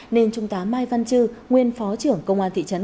nên trung tá mai văn trư nguyên phó trưởng công an thị trấn